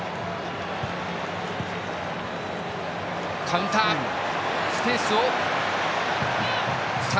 カウンターだ。